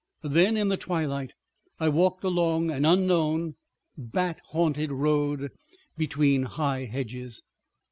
... Then in the twilight I walked along an unknown, bat haunted road between high hedges.